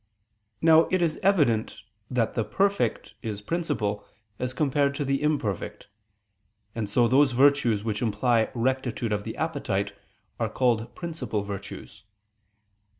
Now it is evident that the perfect is principal as compared to the imperfect: and so those virtues which imply rectitude of the appetite are called principal virtues.